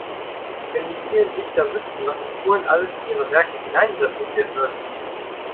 Wenn die vielen Dichter wüssten, was in Schulen alles in ihre Werke hineininterpretiert wird!